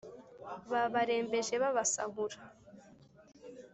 Babarembeje babasahura